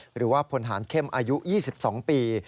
หรือว่าพลฐานเข้มอายุ๒๒ปี